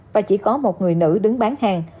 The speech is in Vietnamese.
và chỉ có một người nữ đứng bán hàng